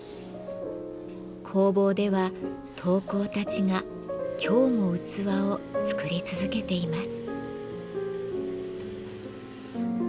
工房では陶工たちが今日も器を作り続けています。